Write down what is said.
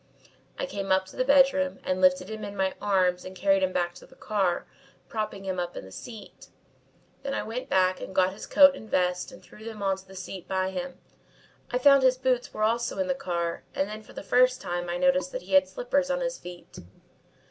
"I came back to the bedroom and lifted him in my arms and carried him back to the car, propping him up in the seat. Then I went back and got his coat and vest and threw them on to the seat by him. I found his boots were also in the car and then for the first time I noticed that he had slippers on his feet.